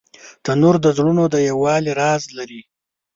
تنور د زړونو د یووالي راز لري